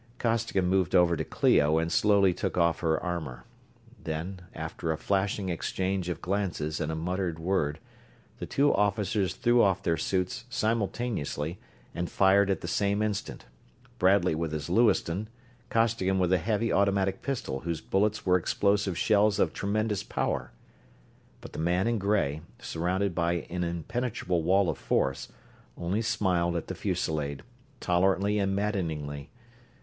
Costigan moved over to Clio and slowly took off her armor. Then, after a flashing exchange of glances and a muttered word, the two officers threw off their suits simultaneously and fired at the same instant; Bradley with his Lewiston, Costigan with a heavy automatic pistol whose bullets were explosive shells of tremendous power. But the man in gray, surrounded by an impenetrable wall of force, only smiled at the fusillade, tolerantly and maddeningly.